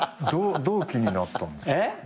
どう気になったんですか？